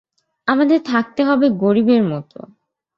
আমাদের থাকতে হবে গরিবের মতো।